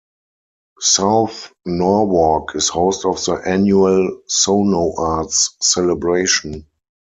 South Norwalk is host of the annual SoNo Arts Celebration.